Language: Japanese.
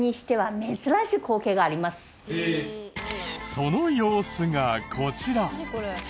その様子がこちら。